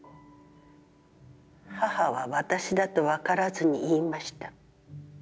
母は私だと分からずに言いました。